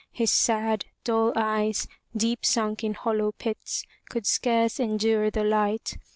His sad, dull eyes, deep sunk in hollow pits, could scarce endure the light.